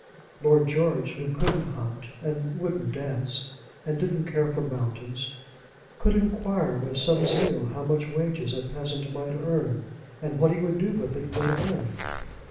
Lord George, who couldn't hunt, and wouldn't dance, and didn't care for mountains, could enquire with some zeal how much wages a peasant might earn, and what he would do with it when earned.